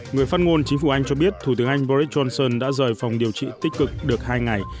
người phát ngôn chính phủ anh cho biết thủ tướng anh boris johnson đã rời phòng điều trị tích cực được hai ngày